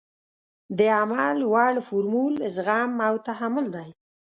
د عمل وړ فورمول زغم او تحمل دی.